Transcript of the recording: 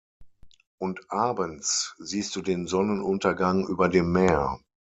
Und abends siehst du den Sonnenuntergang über dem Meer.